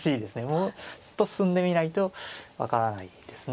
もっと進んでみないと分からないですね。